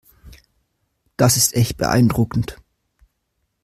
Das ist echt beeindruckend.